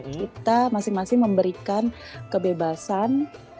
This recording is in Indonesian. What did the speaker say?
kita masing masing memberikan kebebasan